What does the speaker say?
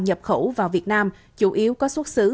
nhập khẩu vào việt nam chủ yếu có xuất xứ